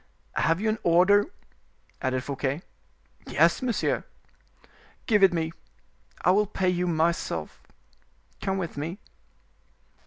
"Have you an order?" added Fouquet. "Yes, monsieur." "Give it me, I will pay you myself; come with me."